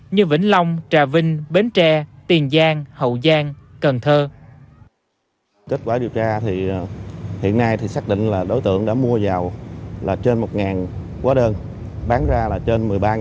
như vĩnh long trà vinh bến tre tiền giang hậu giang cần thơ